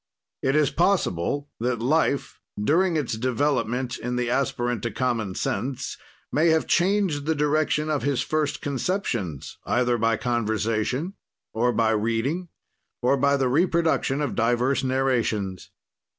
"It is possible that life during its development in the aspirant to common sense may have changed the direction of his first conceptions either by conversation or by reading or by the reproduction of divers narrations.